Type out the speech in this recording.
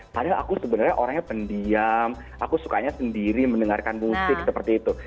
padahal aku sebenarnya orangnya pendiam aku sukanya sendiri mendengarkan musik seperti itu